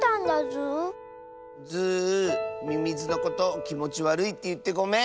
ズーミミズのこときもちわるいっていってごめん！